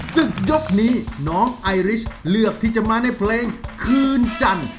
ศึกยกนี้น้องไอริชเลือกที่จะมาในเพลงคืนจันทร์